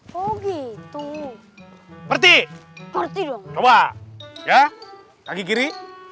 berarti berarti doang coba ya kaki kiri